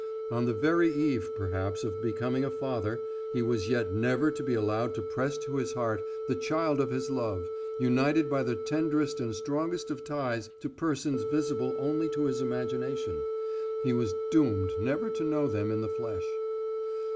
On the very eve, perhaps, of becoming a father, he was yet never to be allowed to press to his heart the child of his love; united by the tenderest and strongest of ties to persons visible only to his imagination, he was doomed never to know them in the flesh.